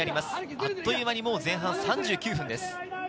あっという間に前半３９分です。